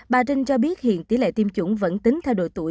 bà trinh cho biết hiện tỷ lệ tiêm chủng vẫn tính theo độ tuổi